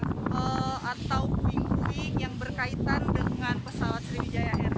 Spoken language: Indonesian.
ada benda atau kuing kuing yang berkaitan dengan pesawat sriwijaya rsj